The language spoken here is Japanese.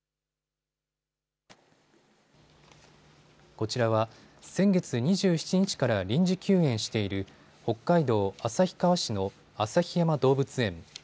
こちらは先月２７日から臨時休園している北海道旭川市の旭山動物園。